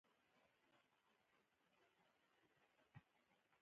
دا کار باید د ډیموکراتیکو ځواکونو په وس کې وي.